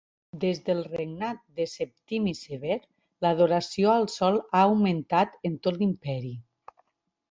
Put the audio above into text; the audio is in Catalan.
Des del regnat de Septimi Sever, l'adoració al sol ha augmentat en tot l'Imperi.